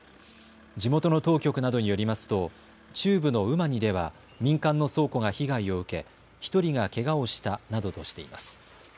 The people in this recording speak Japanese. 地元の当局などによりますと中部のウマニでは民間の倉庫が被害を受け、１人がけがをしたなどとしています。